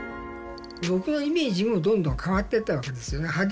僕のイメージもどんどん変わってったわけですよね。